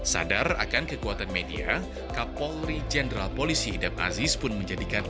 sadar akan kekuatan media kapolri jenderal polisi idam aziz pun menjadikan